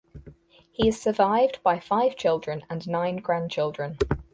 He is survived by five children and nine grandchildren.